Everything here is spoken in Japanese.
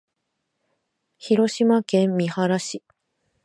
広島県三原市